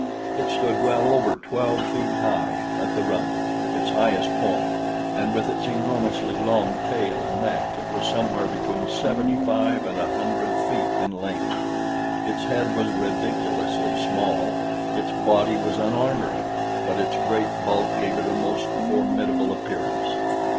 It stood well over twelve feet high at the rump, its highest point, and with its enormously long tail and neck it was somewhere between seventy five and a hundred feet in length. Its head was ridiculously small; its body was unarmored, but its great bulk gave it a most formidable appearance.